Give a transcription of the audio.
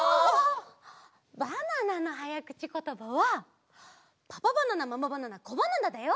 バナナのはやくちことばはパパバナナママバナナコバナナだよ！